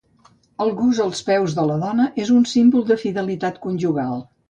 El gos als peus de la dona és un símbol de fidelitat conjugal.